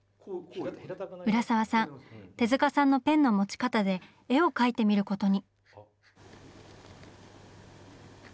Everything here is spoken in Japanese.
浦沢さん手さんのペンの持ち方で絵を描いてみることに。